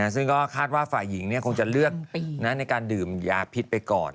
ซึ่งก็คาดว่าฝ่ายหญิงคงจะเลือกในการดื่มยาพิษไปก่อน